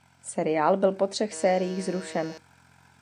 Seriál byl po třech sériích zrušen.